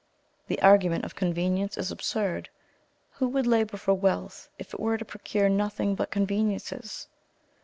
The argument of convenience is absurd. Who would labour for wealth, if it were to procure nothing but conveniences.